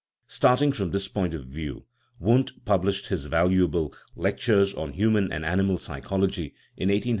Starting from this point of view, Wundt published his valuable " Lectures on human and animal psychology " in 1863.